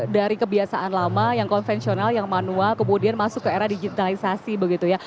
dari kebiasaan lama yang konvensional yang manual kemudian masuk ke era digitalisasi begitu ya